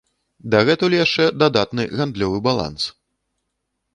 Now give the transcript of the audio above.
Дагэтуль яшчэ дадатны гандлёвы баланс.